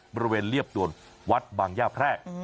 บริเวณเรียบด่วนวัดบางย่าแพรก